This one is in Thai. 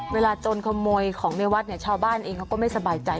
โจรขโมยของในวัดเนี่ยชาวบ้านเองเขาก็ไม่สบายใจ